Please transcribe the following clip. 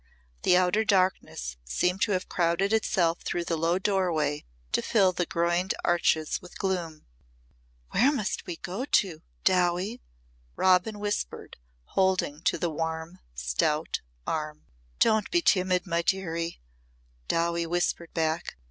The outer darkness seemed to have crowded itself through the low doorway to fill the groined arches with gloom. "Where must we go to, Dowie?" Robin whispered holding to the warm, stout arm. "Don't be timid, my dearie," Dowie whispered back.